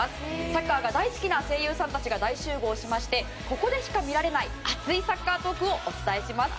サッカーが大好きな声優さんが大集合しましてここでしか見られない熱いサッカートークをお伝えします。